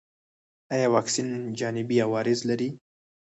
ایا واکسین جانبي عوارض لري؟